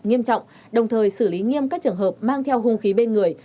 nghiêm trọng đồng thời xử lý nghiêm các trường hợp mang theo hung khí bên người